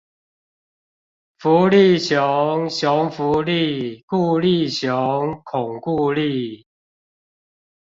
福利熊，熊福利，顧立雄，恐固力